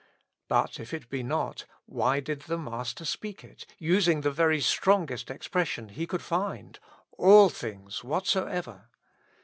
But if it be not, why did the Master speak it, using the very strongest expression He could find: "All things whatsoever."